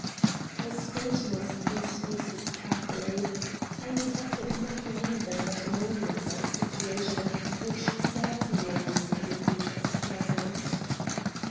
I scrutinized these faces carefully. I detected nothing in them but annoyance at a situation which certainly was anything but pleasant.